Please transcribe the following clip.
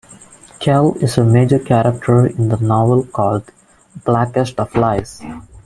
Kell is a major character in the novel called "Blackest Of Lies".